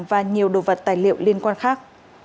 và nhiều đồ vật tài liệu liên quan khác